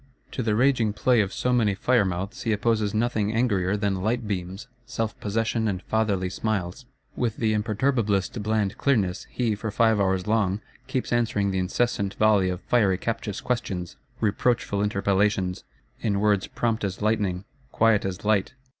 To the raging play of so many fire mouths he opposes nothing angrier than light beams, self possession and fatherly smiles. With the imperturbablest bland clearness, he, for five hours long, keeps answering the incessant volley of fiery captious questions, reproachful interpellations; in words prompt as lightning, quiet as light.